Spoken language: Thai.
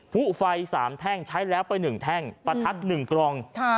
ผู้ไฟ๓แท่งใช้แล้วไป๑แท่งประทัด๑กล่อง